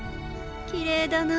きれいだな。